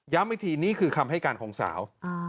อีกทีนี่คือคำให้การของสาว